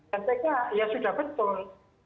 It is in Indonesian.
tentunya ya sudah betul